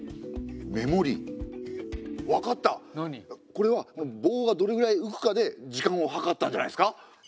これは棒がどれぐらい浮くかで時間を計ったんじゃないですか？